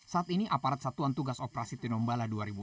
saat ini aparat satuan tugas operasi tinombala dua ribu enam belas